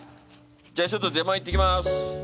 じゃちょっと出前行ってきます。